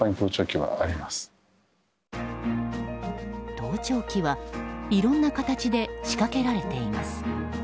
盗聴器はいろんな形で仕掛けられています。